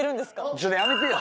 ちょっとやめてよ。